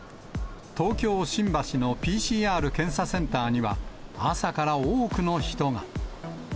東京・新橋のＰＣＲ検査センターには、朝から多くの人が。